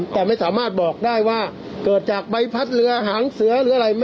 แต่ไม่สามารถบอกได้ว่าเกิดจากใบพัดเรือหางเสือหรืออะไร